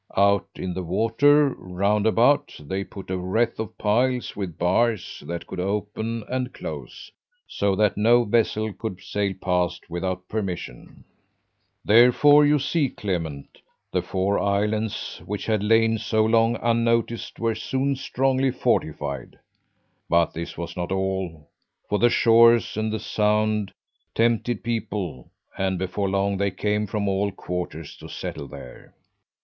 Out in the water, round about, they put a wreath of piles with bars that could open and close, so that no vessel could sail past without permission. "Therefore you see, Clement, the four islands which had lain so long unnoticed were soon strongly fortified. But this was not all, for the shores and the sound tempted people, and before long they came from all quarters to settle there.